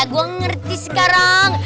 gua ngerti sekarang